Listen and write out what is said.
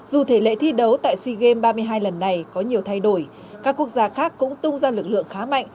dù thể lệ thi đấu tại sea games ba mươi hai lần này có nhiều thay đổi các quốc gia khác cũng tung ra lực lượng khá mạnh